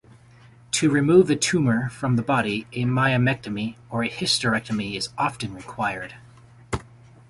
To remove the tumor from the body, a myomectomy or hysterectomy is often required.